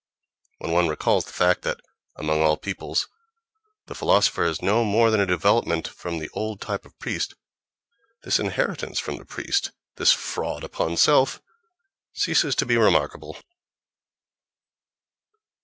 When one recalls the fact that, among all peoples, the philosopher is no more than a development from the old type of priest, this inheritance from the priest, this fraud upon self, ceases to be remarkable.